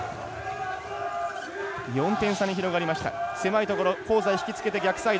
４点差に広がりました。